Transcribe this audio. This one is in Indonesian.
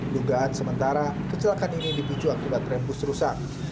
dugaan sementara kecelakaan ini dipicu akibat rebus rusak